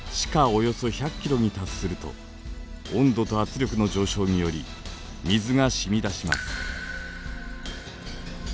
およそ１００ｋｍに達すると温度と圧力の上昇により水が染み出します。